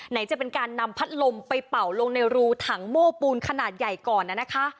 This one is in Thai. จะเป็นการนำพัดลมไปเป่าลงในรูถังโม้ปูนขนาดใหญ่ก่อนนะคะ